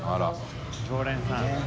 蕁常連さん。